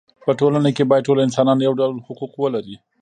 په ټولنه کې باید ټول انسانان یو ډول حقوق ولري.